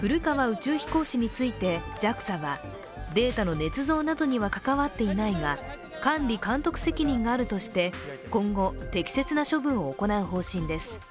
宇宙飛行士についてＪＡＸＡはデータのねつ造などには関わっていないが管理監督責任があるとして今後、適切な処分を行う方針です。